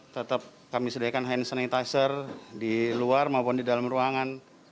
tetap kami sediakan hand sanitizer di luar maupun di dalam ruangan